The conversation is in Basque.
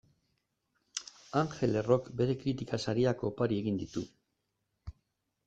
Angel Errok bere kritika sariak opari egin ditu.